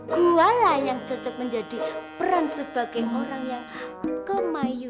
gualah yang cocok menjadi peran sebagai orang yang kemayu